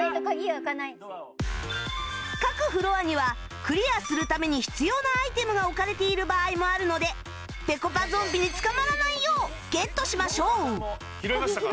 各フロアにはクリアするために必要なアイテムが置かれている場合もあるのでぺこぱゾンビに捕まらないようゲットしましょう拾いましたか？